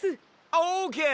オーケー！